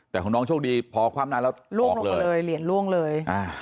แต่ของน้องโชคดีพอความนานแล้วล่วงลงมาเลยเหรียญล่วงเลย